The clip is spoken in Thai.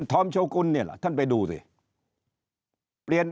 ธ้อมโชว์กุ้นเนี่ยล่ะท่านไปดูสิ